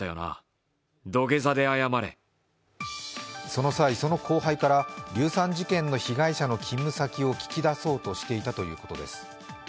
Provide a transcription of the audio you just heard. その際、その後輩から硫酸事件の被害者の勤務先を聞き出そうとしていたということです。